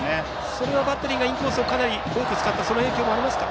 それはバッテリーがインコースを多く使ったその影響もありますか？